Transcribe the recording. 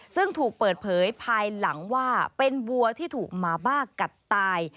ซึ่งถูกเปิดเผยภายหลังว่าเป็นวัวที่ถูกหมาบ้ากัดตาย